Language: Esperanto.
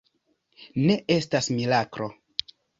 Ne estas miraklo.